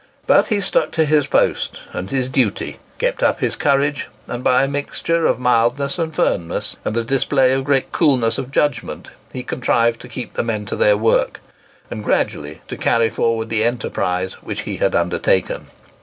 But he stuck to his post and his duty, kept up his courage, and by a mixture of mildness and firmness, and the display of great coolness of judgment, he contrived to keep the men to their work, and gradually to carry forward the enterprise which he had undertaken.